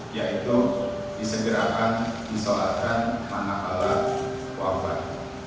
yaitu disegerakan disolatkan manakala wafat